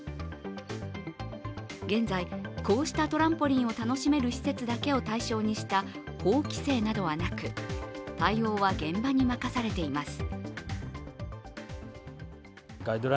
現在、こうしたトランポリンを楽しめる施設だけを対象にした法規制などはなく、対応は現場に任されています。